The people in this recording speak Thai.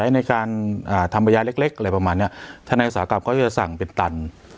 ในการอ่าทำประยะเล็กเล็กอะไรประมาณเนี้ยถ้าในศาลกรรมก็จะสั่งเป็นตัน